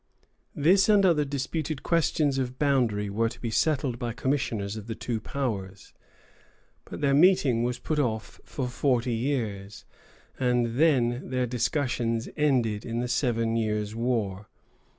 This and other disputed questions of boundary were to be settled by commissioners of the two powers; but their meeting was put off for forty years, and then their discussions ended in the Seven Years' War.